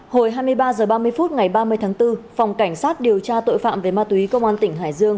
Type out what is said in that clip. hồi hai mươi ba h ba mươi phút ngày ba mươi tháng bốn phòng cảnh sát điều tra tội phạm về ma túy công an tỉnh hải dương